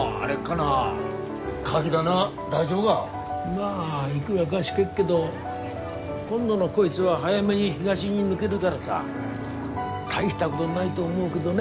まあいくらかしけっけど今度のこいつは早めに東に抜げるからさ大したごどないと思うけどね